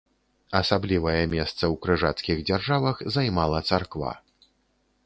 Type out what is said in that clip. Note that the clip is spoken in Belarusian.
Асаблівае месца ў крыжацкіх дзяржавах займала царква.